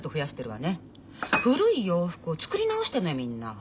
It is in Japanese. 古い洋服を作り直してるのよみんな。